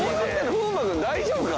風磨君大丈夫か？